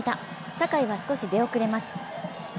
坂井は少し出遅れます。